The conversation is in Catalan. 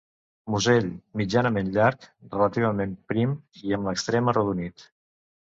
Musell mitjanament llarg, relativament prim i amb l'extrem arrodonit.